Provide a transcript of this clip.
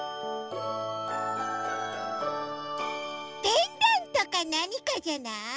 ペンダントかなにかじゃない？